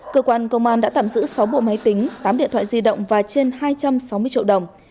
cơ quan công an đã tạm giữ sáu bộ máy tính tám điện thoại di động và trên hai trăm sáu mươi triệu đồng